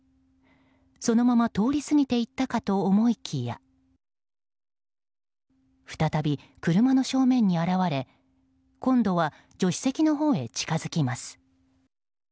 そのまま通り過ぎて行ったかと思いきや再び車の正面に現れ今度は助手席のほうへ近づきます。